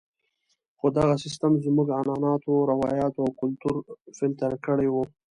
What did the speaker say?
خو دغه سیستم زموږ عنعناتو، روایاتو او کلتور فلتر کړی وو.